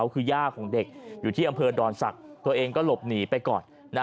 คือย่าของเด็กอยู่ที่อำเภอดอนศักดิ์ตัวเองก็หลบหนีไปก่อน